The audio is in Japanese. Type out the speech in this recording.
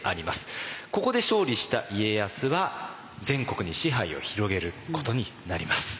ここで勝利した家康は全国に支配を広げることになります。